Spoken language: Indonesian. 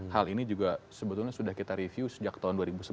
hal ini juga sebetulnya sudah kita review sejak tahun dua ribu sebelas